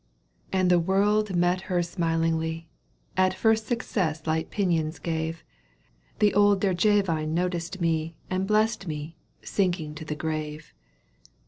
And the world met her smilinglyj A first success light pinions gave, The old Derjavine noticed me And blest me, sinking to the grave.